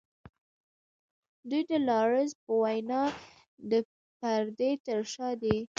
دوی د رالز په وینا د پردې تر شا دي.